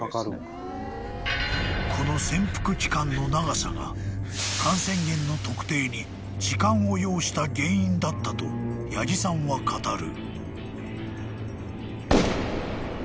［この潜伏期間の長さが感染源の特定に時間を要した原因だったと八木さんは語る］